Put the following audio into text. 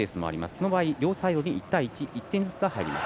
その場合、両サイドに１点ずつが入ります。